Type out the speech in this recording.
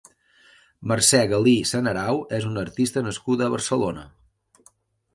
Mercè Galí Sanarau és una artista nascuda a Barcelona.